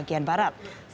setia novanto keluar